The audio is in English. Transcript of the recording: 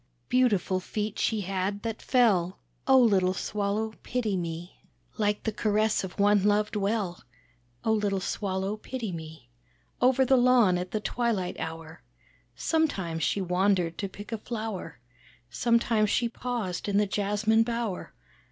"Beautiful feet she had, that fell Oh little Swallow pity me, Like the caress of one loved well, Oh little Swallow pity me. Over the lawn at the twilight hour Sometimes she wandered to pluck a flower, Sometimes she paused in the jasmine bower.